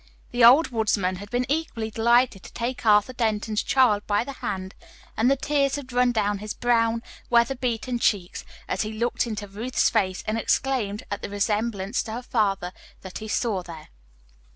The old woodsman had been equally delighted to take Arthur Denton's child by the hand, and the tears had run down his brown, weather beaten cheeks as he looked into Ruth's face and exclaimed at the resemblance to her father that he saw there.